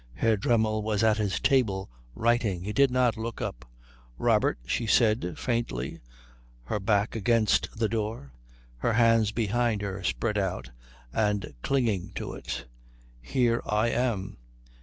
Herr Dremmel was at his table, writing. He did not look up. "Robert," she said faintly, her back against the door, her hands behind her spread out and clinging to it, here I am.